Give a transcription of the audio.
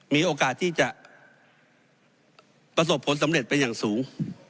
มีโอกาสที่จะประสบผลสำเร็จไปอย่างสูง